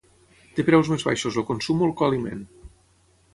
Té preus més baixos el Consum o el Coaliment?